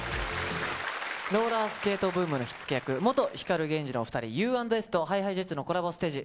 ローラースケートブームの火付け役、元光ＧＥＮＪＩのお２人、Ｕ＆Ｓと、ＨｉＨｉＪｅｔｓのコラボステージ。